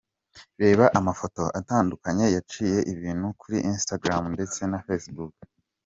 Reba amafoto atandukanye yaciye ibintu kuri instagram ndese na Facebook.